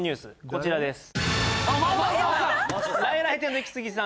こちらです